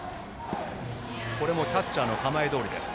キャッチャーの構えどおりです。